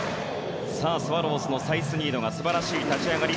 スワローズのサイスニードが素晴らしい立ち上がり。